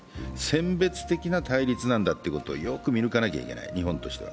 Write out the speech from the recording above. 選別的な対立なんだということをよく見抜かなければいけない、日本としては。